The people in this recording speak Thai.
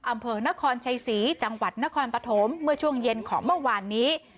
อำเภอนครชัยศรีจังหวัดนครปฐมเมื่อช่วงเย็นของเมื่อวานนี้